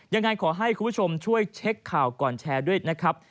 ยังไงขอให้คุณผู้ชมช่วยเช็คข่าวก่อนแชร์ด้วยนะครับ